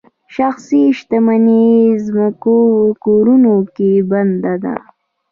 شخصي شتمني ځمکو کورونو کې بنده ده.